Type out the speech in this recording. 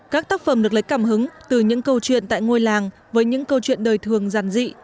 các tác phẩm được lấy cảm hứng từ những câu chuyện tại ngôi làng với những câu chuyện đời thường giản dị